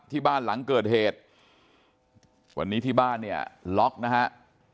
ที่บ้านหลังเกิดเหตุวันนี้ที่บ้านล็อกนะครับ